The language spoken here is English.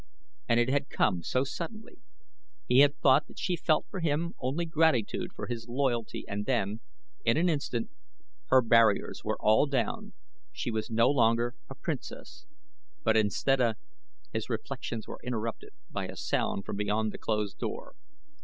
And it had come so suddenly. He had thought that she felt for him only gratitude for his loyalty and then, in an instant, her barriers were all down, she was no longer a princess; but instead a his reflections were interrupted by a sound from beyond the closed door.